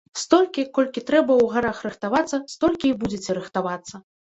Столькі, колькі трэба ў гарах рыхтавацца, столькі і будзеце рыхтавацца.